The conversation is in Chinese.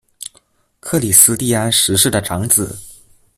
克里斯蒂安十世的长子。